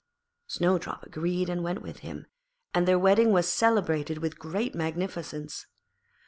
Snowdrop agreed and went with him, and their wedding was celebrated with great magnificence.